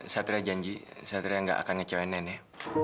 satria janji satria nggak akan ngecewain nenek